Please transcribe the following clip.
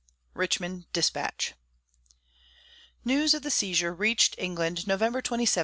Richmond Dispatch. News of the seizure reached England November 27, 1861.